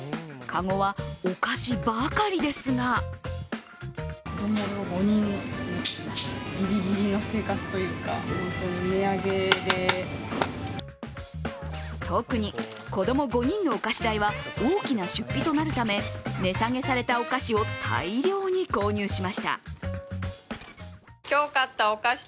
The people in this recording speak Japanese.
籠はお菓子ばかりですが特に子供５人のお菓子代は大きな出費となるため値下げされたお菓子を大量に購入しました。